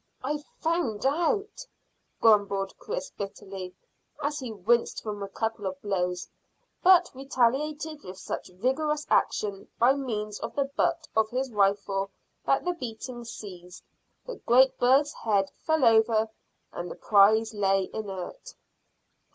"I've found that out," grumbled Chris bitterly, as he winced from a couple of blows, but retaliated with such vigorous action by means of the butt of his rifle that the beating ceased, the great bird's head fell over, and the prize lay inert.